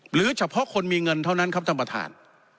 หรือเฉพาะคนมีเงินเท่านั้นครับท่านประธาน